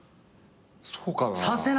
そうかな？